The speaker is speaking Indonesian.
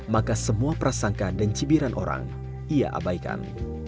maka semua prasangka dan cibiran orang ia abaikan